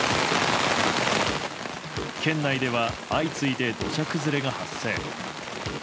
県内では相次いで土砂崩れが発生。